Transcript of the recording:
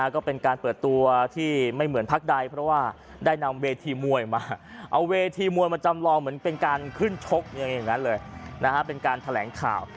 ก็เป็นการเปิดตัวที่ไม่เหมือนพักใดเพราะว่าได้นำเวทีมวยมาเอาเวทีมวยมาจำลองเหมือนเป็นการขึ้นชกอย่างนั้นเลยเป็นการแถลงข่าว